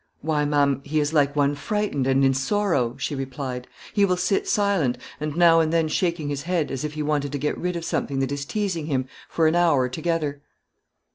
"Why, ma'am, he is like one frightened, and in sorrow," she replied; "he will sit silent, and now and then shaking his head, as if he wanted to get rid of something that is teasing him, for an hour together."